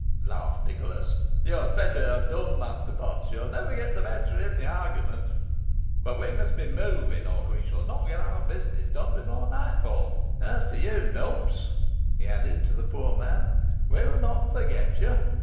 "Ha! ha! ha!" laughed Nicholas. "You had better have done, Master Potts; you will never get the better in the argument. But we must be moving, or we shall not get our business done before nightfall. As to you, Numps," he added, to the poor man, "we will not forget you.